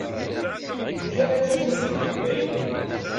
Nekkat ad teǧǧuǧeg teqbaylit.